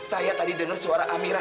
saya tadi dengar suara amirah